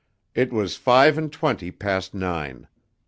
It was five and twenty past nine.